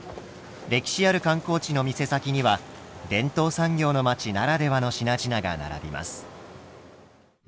歴史ある観光地の店先には伝統産業の町ならではの品々が並びます。